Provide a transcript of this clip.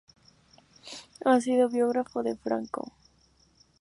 Ha sido biógrafo de Franco.